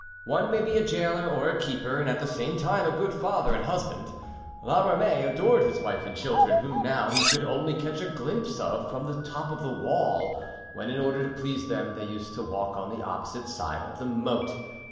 One may be a jailer or a keeper and at the same time a good father and husband. La Ramee adored his wife and children, whom now he could only catch a glimpse of from the top of the wall, when in order to please him they used to walk on the opposite side of the moat.